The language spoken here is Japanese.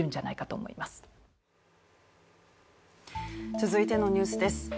続いてのニュースです。